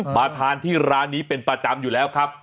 มาทานที่ร้านนี้เป็นประจำอยู่แล้วครับ